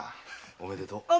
おめでとう！